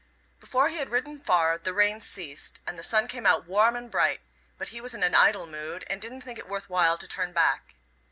Before he had ridden far the rain ceased, and the sun came out warm and bright, but he was in an idle mood, and didn't think it worth while to turn back.